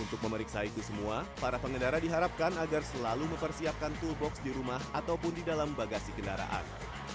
untuk memeriksa itu semua para pengendara diharapkan agar selalu mempersiapkan toolbox di rumah atau bagasi kendaraan